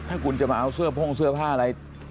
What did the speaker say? ถ้าคุณจะมาเอาเสื้อโพ่งเสื้อผ้าอะไร